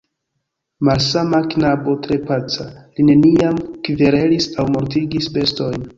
Malsama knabo, tre paca, li neniam kverelis aŭ mortigis bestojn.